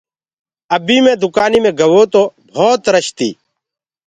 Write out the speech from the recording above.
ابيٚ مي دُڪآنيٚ مي گوو تو ڀوت رش تيٚ